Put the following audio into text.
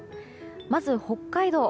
まず、北海道。